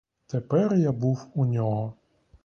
Тепер я був у нього.